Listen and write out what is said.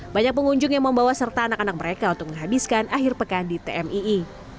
banyak pengunjung yang membawa serta anak anak mereka untuk menghabiskan akhir pekan di tmii